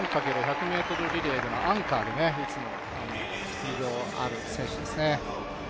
４×１００ｍリレーではアンカーで、スピードある選手ですね。